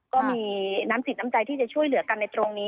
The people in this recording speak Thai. ก็มีน้ำจิตน้ำใจที่จะช่วยเหลือกันในตรงนี้